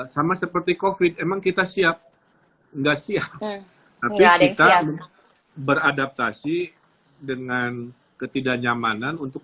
sama seperti covid emang kita siap enggak siap tapi kita beradaptasi dengan ketidaknyamanan untuk